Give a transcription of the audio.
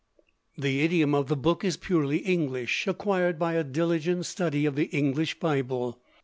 The idiom of the book is purely English, acquired by a diligent study of the English Bible.